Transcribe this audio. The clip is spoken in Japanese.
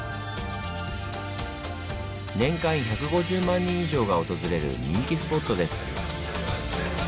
年間１５０万人以上が訪れる人気スポットです。